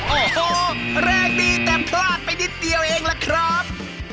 โอ้โหแรงดีแต่พลาดไปนิดเดียวเองล่ะครับ